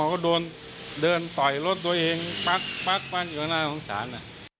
เขาก็เดินด้วยต่อยรถตัวเองปั๊กอยู่แน่พงษ์ฉะนั้น